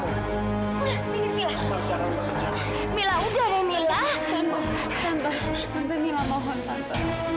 mulai keminir mila mila udah deh mila tante tante tante mila mohon tante